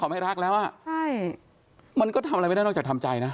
ไม่รักแล้วอ่ะใช่มันก็ทำอะไรไม่ได้นอกจากทำใจนะ